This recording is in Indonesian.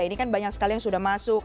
ini kan banyak sekali yang sudah masuk